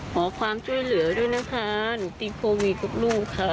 ขอความช่วยเหลือด้วยนะคะหนูติดโควิดกับลูกค่ะ